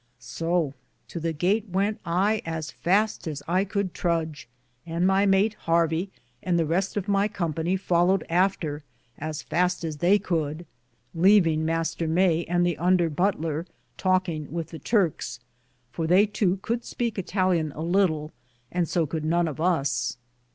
So to the gate went I as faste as I coulde Truge, and my mate Harvie and the Reste of my Company followed after as faste as theye could ; leavinge Mr. Maye and the under butler talkinge with the Turkes, for theye tow could speake Ittallian a litle, and so could none of us.